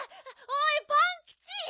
おいパンキチ！